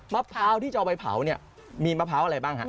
มะพร้าวที่จะเอาไปเผามีมะพร้าวอะไรบ้าง